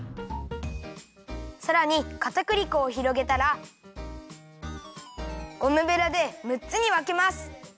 さらにかたくり粉をひろげたらゴムベラでむっつにわけます。